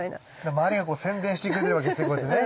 周りがこう宣伝してくれてるわけですねこうやってね。